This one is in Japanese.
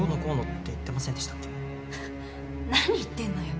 何言ってんのよ。